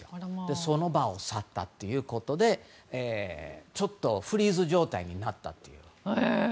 その場を去ったということでちょっとフリーズ状態になったと。